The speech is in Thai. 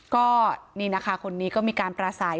ก็นี่นะคะคนนี้ก็มีการปราศัย